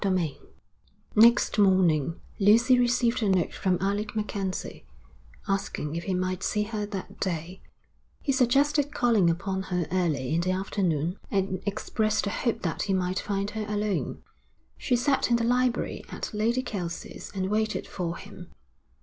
VII Next morning Lucy received a note from Alec MacKenzie, asking if he might see her that day; he suggested calling upon her early in the afternoon and expressed the hope that he might find her alone. She sat in the library at Lady Kelsey's and waited for him.